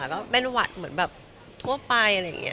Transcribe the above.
แล้วก็เป็นวัดเหมือนแบบทั่วไปอะไรอย่างนี้